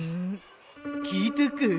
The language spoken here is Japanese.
聞いたかい？